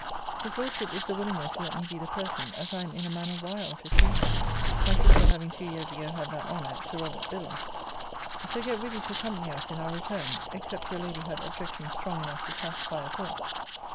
His Lordship is the willinger to let me be the person, as I am in a manner wild to see her; my sister having two years ago had that honour at Sir Robert Biddulph's. So get ready to accompany us in our return; except your lady had objections strong enough to satisfy us all.